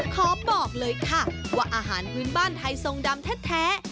ขอบอกเลยค่ะว่าอาหารพื้นบ้านไทยทรงดำแท้